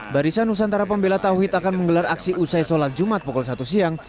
barisan nusantara pembela tauhid akan menggelar aksi usai sholat jumat pukul satu siang